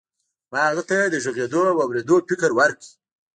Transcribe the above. ما هغه ته د غږېدو او اورېدو فکر ورکړ.